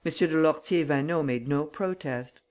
de Lourtier Vaneau made no protest.